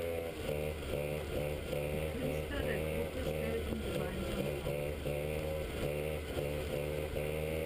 Die Künstler der Gruppe stellten gemeinsam aus.